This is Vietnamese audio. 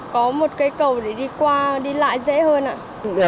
có một cây cầu để đi qua đi lại dễ hơn ạ